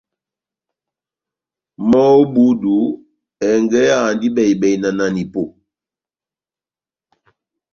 Mɔ́ ó ebúdu, ɛngɛ́ áhandi bɛhi-bɛhi na nanipó